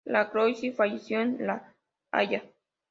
La Croix falleció en La Haya.